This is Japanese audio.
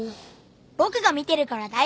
僕が見てるから大丈夫。